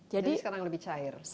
jadi sekarang lebih cair